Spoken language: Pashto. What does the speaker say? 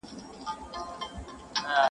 • خلګ ياران نه په لسټوني کي ماران ساتي,